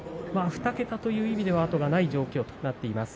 ２桁という意味では後がない状況となっています。